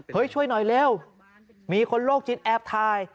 เฮ้ยช่วยหน่อยเร็วมีคนโรคจิตแอบทาย